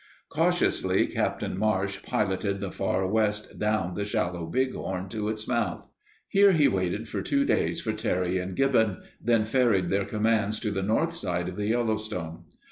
Cautiously, Captain Marsh piloted the Far West down the shallow Bighorn to its mouth. Here he waited for two days for Terry and Gibbon, then ferried their commands to the north side of the Yellowstone.